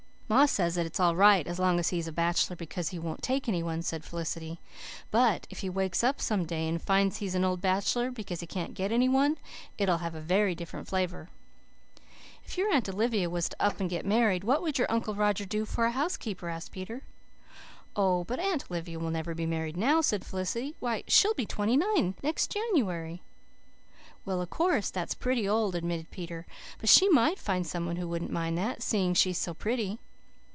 "Ma says that it's all right as long as he is a bachelor because he won't take any one," said Felicity, "but if he wakes up some day and finds he is an old bachelor because he can't get any one it'll have a very different flavour." "If your Aunt Olivia was to up and get married what would your Uncle Roger do for a housekeeper?" asked Peter. "Oh, but Aunt Olivia will never be married now," said Felicity. "Why, she'll be twenty nine next January." "Well, o' course, that's pretty old," admitted Peter, "but she might find some one who wouldn't mind that, seeing she's so pretty."